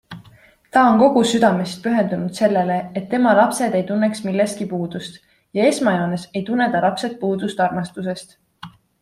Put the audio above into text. Ta on kogu südamest pühendunud sellele, et tema lapsed ei tunneks millestki puudust - ja esmajoones ei tunne ta lapsed puudust armastusest.